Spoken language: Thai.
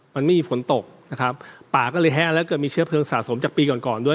มันไม่มีฝนตกนะครับป่าก็เลยแห้งแล้วเกิดมีเชื้อเพลิงสะสมจากปีก่อนก่อนด้วย